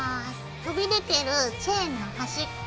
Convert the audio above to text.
飛び出てるチェーンの端っこ